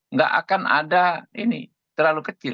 nggak akan ada ini terlalu kecil